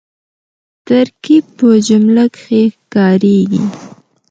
ترکیب په جمله کښي کاریږي.